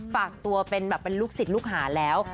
ฝากตัวเป็นลูกศิษย์ลูกหาแล้ว